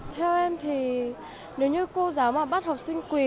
theo em thì nếu như cô giáo mà bắt học sinh quỳ